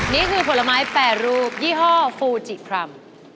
นี่คือผลไม้แปรรูปยี่ห้อฟูจิคลำ